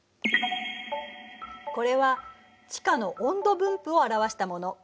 これは地下の温度分布を表したもの。